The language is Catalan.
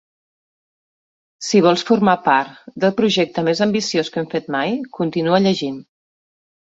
Si vols formar part del projecte més ambiciós que hem fet mai, continua llegint.